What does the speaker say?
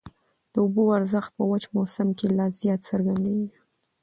د اوبو ارزښت په وچ موسم کي لا زیات څرګندېږي.